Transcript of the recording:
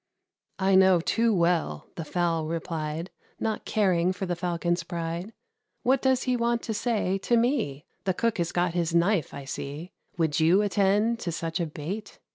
"I know too well," the Fowl replied, Not caring for the Falcon's pride: "What does he want to say to me? The cook has got his knife, I see. Would you attend to such a bait?